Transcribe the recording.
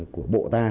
của bộ ta